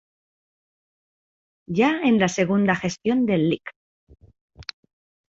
Ya en la segunda gestión del Lic.